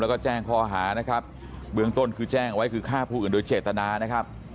แล้วก็แจ้งข้อหานะครับเบื้องต้นคือแจ้งไว้คือฆ่าผู้อื่นโดยเจตนานะครับ